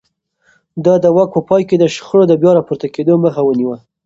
ده د واک په پای کې د شخړو د بيا راپورته کېدو مخه ونيوه.